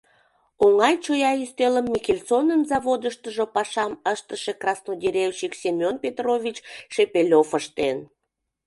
Оҥай-чоя ӱстелым Михельсонын заводыштыжо пашам ыштыше краснодеревщик Семен Петрович Шепелёв ыштен.